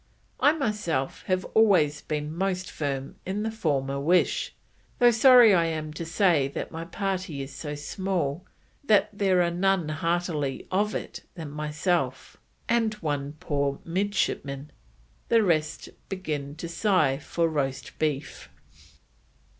I myself have always been most firm in the former wish, though sorry I am to say that my party is so small that there are none heartily of it than myself, and one poor midshipman, the rest begin to sigh for roast beef."